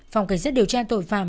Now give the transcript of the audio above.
phòng cảnh sát điều tra tội phạm